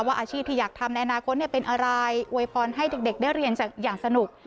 อาชีพที่อยากทำในอนาคตเป็นอะไรอวยพรให้เด็กได้เรียนอย่างสนุก